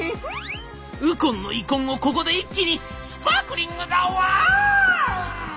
「ウコンの遺恨をここで一気にスパークリングだワオーン！」。